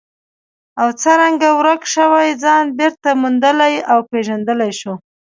او څرنګه ورک شوی ځان بېرته موندلی او پېژندلی شو.